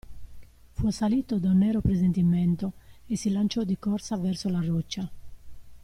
Fu assalito da un nero presentimento e si lanciò di corsa verso la roccia.